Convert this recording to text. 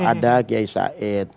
ada kiai said